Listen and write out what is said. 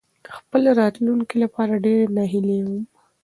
خپل راتلونکې لپاره ډېرې ناهيلې وم.